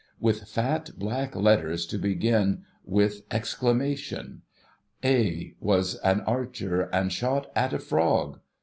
\\'ith fat black letters to begin with !' A was an archer, and shot at a frog.'